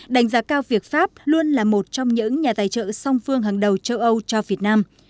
đánh giá cao việc pháp luôn là một trong những nhà tài trợ song phương hàng đầu châu âu cho việt nam